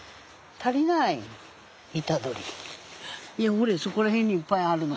ほれそこら辺にいっぱいあるの。